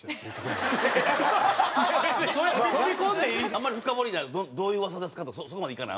あんまり深掘りになると「どういう噂ですか？」とかそこまでいかない？